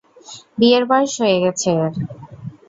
বিয়ের বয়স হয়ে গেছে এর।